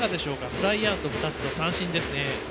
フライアウト２つと三振ですね。